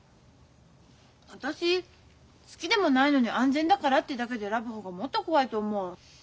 私好きでもないのに安全だからってだけで選ぶ方がもっと怖いと思う。